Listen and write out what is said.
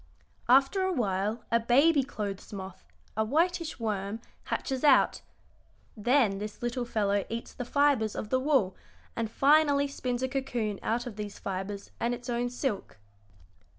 After a while a baby clothes moth, a whitish worm, hatches out. Then this little fellow eats the fibres of the wool, and finally spins a cocoon out of these fibres and its own silk.